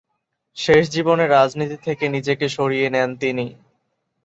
শেষ জীবনে রাজনীতি থেকে নিজেকে সরিয়ে নেন তিনি।